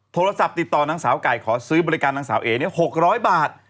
โทรศัพท์ติดต่อนางสาวไก่ขอซื้อบริการนางสาวเอ๖๐๐บาท